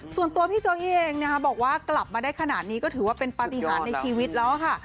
ส่วนตัวพี่โจ๊กเองนะคะบอกว่ากลับมาได้ขนาดนี้ก็ถือว่าเป็นปฏิหารในชีวิตแล้วค่ะ